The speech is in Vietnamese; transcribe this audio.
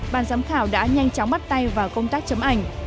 bàn giám khảo đã nhanh chóng bắt tay vào công tác chấm ảnh